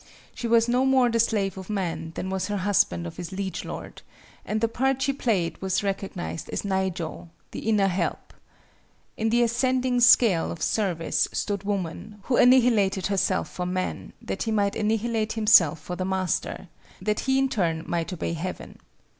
She was no more the slave of man than was her husband of his liege lord, and the part she played was recognized as Naijo, "the inner help." In the ascending scale of service stood woman, who annihilated herself for man, that he might annihilate himself for the master, that he in turn might obey heaven.